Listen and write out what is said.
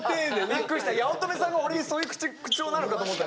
びっくりした八乙女さんが俺にそういう口調なのかと思った。